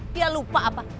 dia lupa apa